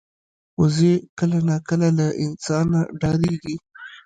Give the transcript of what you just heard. وزې کله ناکله له انسانه ډاریږي